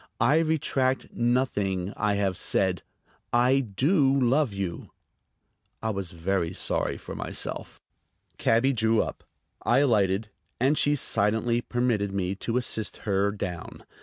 I retract nothing I have said. I do love you." I was very sorry for myself. Cabby drew up. I alighted, and she silently permitted me to assist her down.